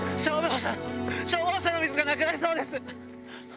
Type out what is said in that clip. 消防車の水がなくなりそうです！